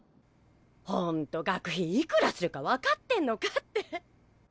ほんと学費いくらするか分かってんのかって。